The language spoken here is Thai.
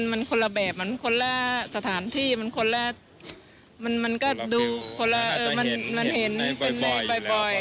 มันคนละแบบมันคนละสถานที่มันคนละมันก็ดูมันเห็นบ่อย